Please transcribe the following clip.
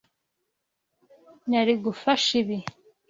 Nari ngufashe ibi.